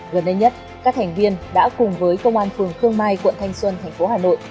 gần đây nhất các thành viên đã cùng với công an phường khương mai quận thanh xuân thành phố hà nội